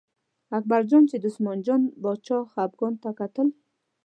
اکبرجان چې د عثمان جان باچا خپګان ته کتل.